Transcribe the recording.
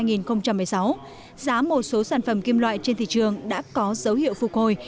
giá một số sản phẩm kim loại trên thị trường đã có dấu hiệu phục hồi